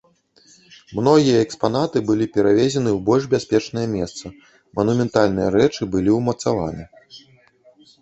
Многія экспанаты былі перавезены ў больш бяспечнае месца, манументальныя рэчы былі ўмацаваны.